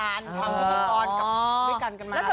คุณค่ะคุณค่ะคุณค่ะคุณค่ะ